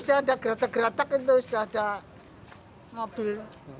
kalau ada kereta itu sudah ada mobil